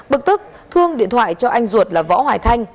bực tức thương điện thoại cho anh ruột là võ hoài thanh